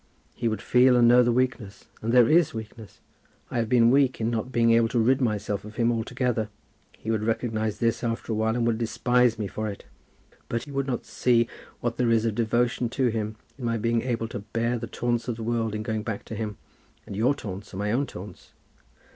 He would feel and know the weakness; and there is weakness. I have been weak in not being able to rid myself of him altogether. He would recognize this after awhile, and would despise me for it. But he would not see what there is of devotion to him in my being able to bear the taunts of the world in going back to him, and your taunts, and my own taunts.